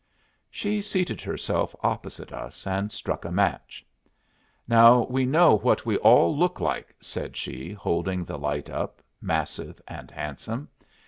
She seated herself opposite us and struck a match. "Now we know what we all look like," said she, holding the light up, massive and handsome.